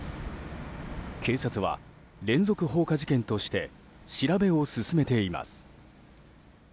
警察は連続放火事件として調べを進めています。